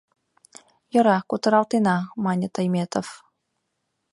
— Йӧра, кутыралтена, — мане Тойметов.